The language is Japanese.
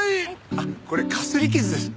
あっこれかすり傷です。